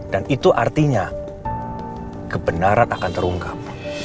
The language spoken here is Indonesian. dan itu artinya kebenaran akan terungkap